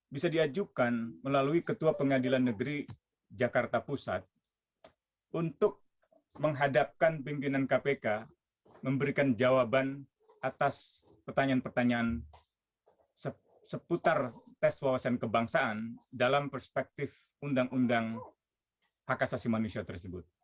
bisa diajukan melalui ketua pengadilan negeri jakarta pusat untuk menghadapkan pimpinan kpk memberikan jawaban atas pertanyaan pertanyaan seputar tes wawasan kebangsaan dalam perspektif undang undang hak asasi manusia tersebut